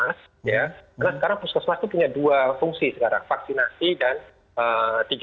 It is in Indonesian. karena sekarang puskesmas itu punya dua fungsi sekarang vaksinasi dan tiga t